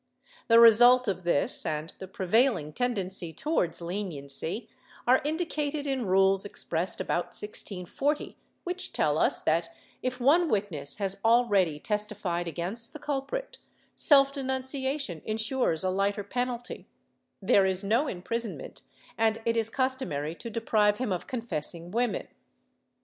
The result of this, and the prevailing tendency towards leniency, are indicated in rules expressed about 1640, which tell us that, if one witness has already testified against the culprit, self denunciation ensures a lighter penalty; there is no imprisonment and it is cus tomary to deprive him of confessing women.